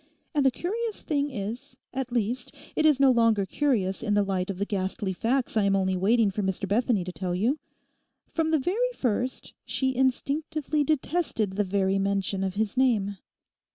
And the curious thing is—at least, it is no longer curious in the light of the ghastly facts I am only waiting for Mr Bethany to tell you—from the very first she instinctively detested the very mention of his name.